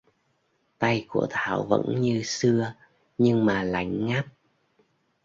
tay của thảo vẫn như xưa nhưng mà lạnh ngắt